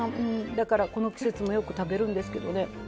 だからこの季節もよく食べるんですけどもね。